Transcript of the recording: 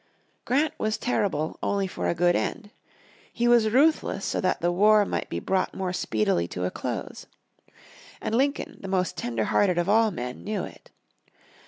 Grant was terrible only for a good end. He was ruthless so that the war might be brought the more speedily to a close. And Lincoln, the most tender hearted of all men, knew it.